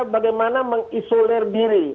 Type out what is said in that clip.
bagaimana mengisolir diri